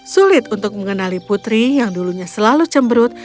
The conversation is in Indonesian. sulit untuk mengenali putri yang dulunya selalu cemberut